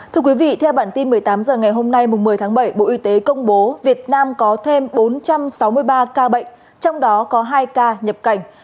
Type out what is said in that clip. thưa quý vị theo bản tin một mươi tám h ngày hôm nay một mươi tháng bảy bộ y tế công bố việt nam có thêm bốn trăm sáu mươi ba ca bệnh trong đó có hai ca nhập cảnh